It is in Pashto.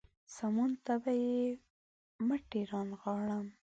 سمون ته به يې مټې رانغاړم.